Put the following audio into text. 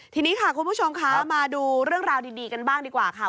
ทีนี้ค่ะคุณผู้ชมคะมาดูเรื่องราวดีกันบ้างดีกว่าค่ะ